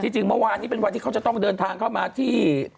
จริงเมื่อวานนี้เป็นวันที่เขาจะต้องเดินทางเข้ามาที่